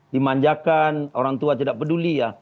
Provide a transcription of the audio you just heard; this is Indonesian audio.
dimanjakan orang tua tidak peduli ya